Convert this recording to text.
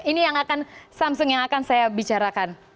ini yang akan samsung yang akan saya bicarakan